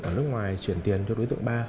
ở nước ngoài chuyển tiền cho đối tượng ba